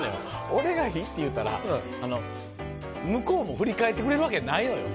俺がいいって言ったら向こうも振り返ってくれるわけやないのよ